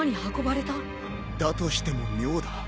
だとしても妙だ。